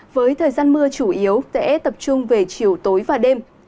với thời gian mưa chủ yếu sẽ tập trung về chiều tối và đêm